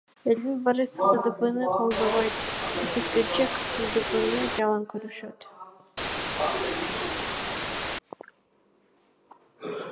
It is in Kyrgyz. Элдин баары КСДПны колдобойт, а тескерисинче КСДПны жаман көрүшөт.